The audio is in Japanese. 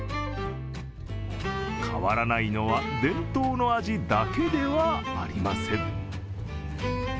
変わらないのは伝統の味だけではありません。